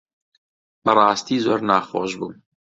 بەڕاستی زۆر ناخۆش بوو.